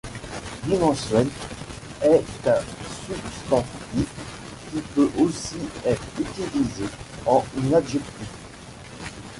Bimensuel est un substantif qui peut aussi être utilisé en adjectif.